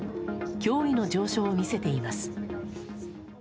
驚異の上昇を見せています。